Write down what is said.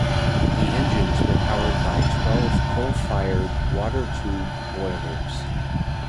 The engines were powered by twelve coal-fired water-tube boilers.